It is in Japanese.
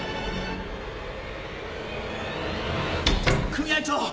組合長！